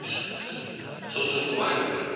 そうすると迷子になります。